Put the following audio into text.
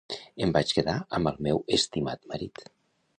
Em vaig a quedar amb el meu estimat marit.